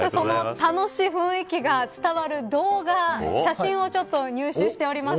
楽しい雰囲気が伝わる動画写真をちょっと入手しております。